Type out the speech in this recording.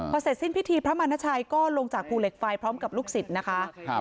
พอเสร็จสิ้นพิธีพระมณชัยก็ลงจากภูเหล็กไฟพร้อมกับลูกศิษย์นะคะ